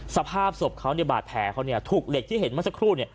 สภาพศพเขาบาดแผลเขาถูกเหล็กที่เห็นเมื่อสักครู่